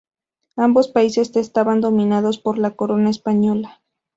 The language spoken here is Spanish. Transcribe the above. Ambos países estaban dominados por la corona española.